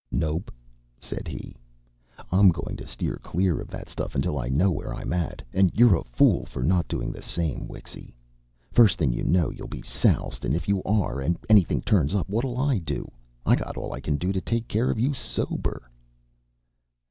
"Nope!" said he. "I'm going to steer clear of that stuff until I know where I'm at, and you're a fool for not doing the same, Wixy. First thing you know you'll be soused, and if you are, and anything turns up, what'll I do? I got all I can do to take care of you sober."